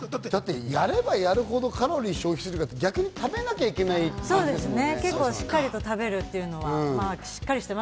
だって、やればやるほどカロリー消費するから、食べなきゃいけないよね。